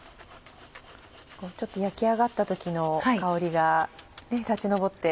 焼き上がった時の香りが立ち上って。